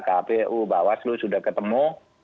kpu bawaslu sudah ketemu